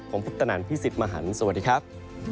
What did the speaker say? ผมพุทธนันพี่สิทธิ์มหันฯสวัสดีครับ